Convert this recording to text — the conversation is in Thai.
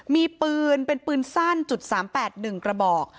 มีปืนเป็นปืนสั้น๓๘๑กระบอก